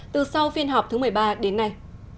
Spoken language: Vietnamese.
từ sau phiên họp thứ một mươi ba đến nay